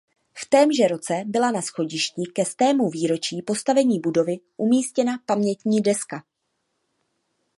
V témže roce byla na schodišti ke stému výročí postavení budovy umístěna pamětní deska.